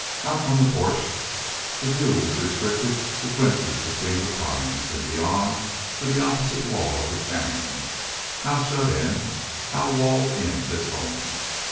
Out from the porch the view was restricted to glimpses between the pines, and beyond to the opposite wall of the canyon. How shut in, how walled in this home!